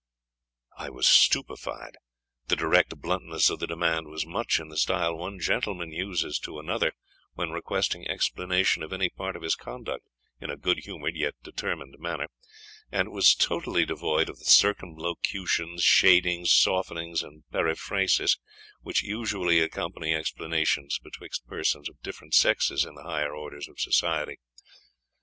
I was stupified. The direct bluntness of the demand was much in the style one gentleman uses to another, when requesting explanation of any part of his conduct in a good humoured yet determined manner, and was totally devoid of the circumlocutions, shadings, softenings, and periphrasis, which usually accompany explanations betwixt persons of different sexes in the higher orders of society.